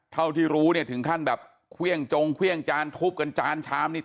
เท่าที่รู้เนี่ยถึงขั้นแบบเครื่องจงเครื่องจานทุบกันจานชามนี่